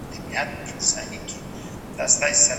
په لاس لیکلنه د خلګو د ویښولو لپاره کارول کیدای سي.